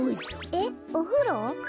えっおふろ？